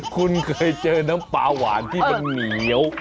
คุณเคยเจอน้ำปลาหวานที่มันเหนียว